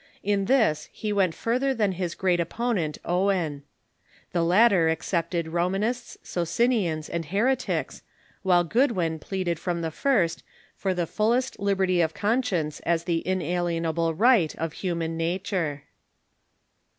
In this he went further than his great opponent, Owen. The latter excepted Romanists, Socinians, and heretics, while Goodwin pleaded from the first for the fullest liberty of conscience as the inalienable right of human nature.